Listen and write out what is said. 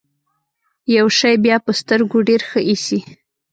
يو شی بيا په سترګو ډېر ښه اېسي.